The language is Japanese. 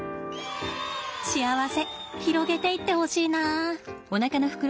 幸せ広げていってほしいな。